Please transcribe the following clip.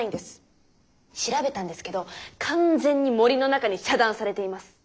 調べたんですけど完全に「森の中」に遮断されています。